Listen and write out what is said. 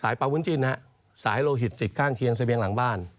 สายปาวุ้นจินสายโลหิตศิษย์ข้างเคียงเสมียงหลังบ้าน